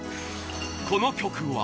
この曲は